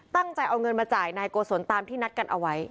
ตั้งใจเอาเงินมาจ่ายนายโกศลตามที่นัดกันเอาไว้